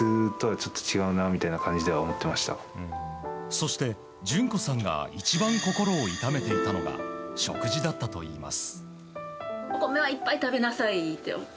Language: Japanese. そして、淳子さんが一番心を痛めていたのが食事だったといいます。